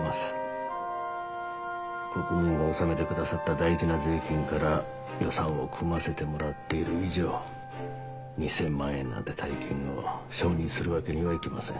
国民が納めてくださった大事な税金から予算を組ませてもらっている以上２０００万円なんて大金を承認するわけにはいきません。